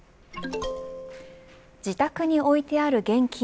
自宅に置いてある現金